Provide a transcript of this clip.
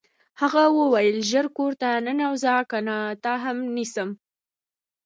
هغه وویل ژر کور ته ننوځه کنه تا هم نیسم